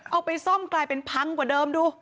เอาไปซ่อมกลายเป็นพังกว่าเดิมดู